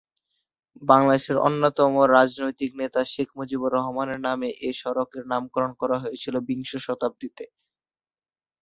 বাংলাদেশের অন্যতম প্রধান রাজনৈতিক নেতা শেখ মুজিবুর রহমানের নামে এ সড়কের নামকরণ করা হয়েছে বিংশ শতাব্দীতে।